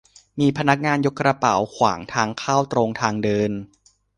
มีพนักงานยกกระเป๋าขวางทางเข้าตรงทางเดิน